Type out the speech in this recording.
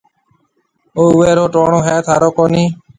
او اوَي رو ٽوڻو هيَ ٿارو ڪونَي